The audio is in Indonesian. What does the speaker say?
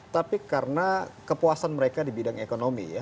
tapi karena kepuasan mereka di bidang ekonomi ya